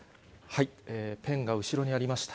ペンが後ろにありました。